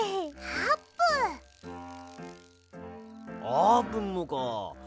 あーぷんもかあ。